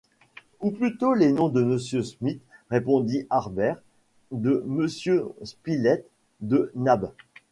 Ou plutôt les noms de Monsieur Smith, répondit Harbert, de Monsieur Spilett, de Nab!...